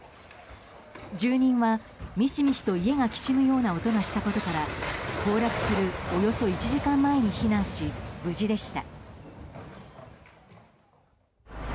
住人はミシミシと家がきしむような音がしたことから崩落するおよそ１時間前に避難し無事でした。